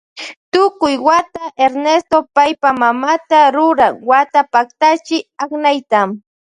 Tukuy wata Ernesto paypa mamata ruran wata paktachi aknayta.